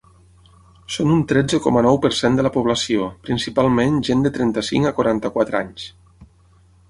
Són un tretze coma nou per cent de la població, principalment gent de trenta-cinc a quaranta-quatre anys.